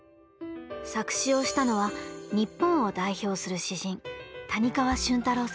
作詞をしたのは日本を代表する詩人谷川俊太郎さんです。